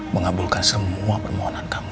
mengabulkan semua permohonan kamu